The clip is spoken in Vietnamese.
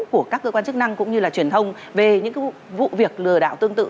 của các cơ quan chức năng cũng như là truyền thông về những vụ việc lừa đảo tương tự